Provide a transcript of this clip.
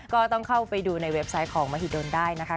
ก็ต้องเข้าไปดูในเว็บไซต์ของมหิดลได้นะคะ